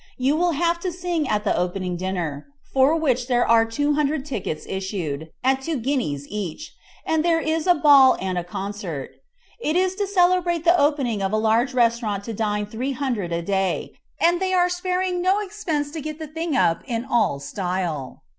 You will have to sing at the opening dinner, for which there are two hundred tickets issued, at two guineas each, and there is to be a ball and concert. It is to celebrate the opening of a large restaurant to dine three hundred a day, and they are sparing no expense to get the thing up in Al style.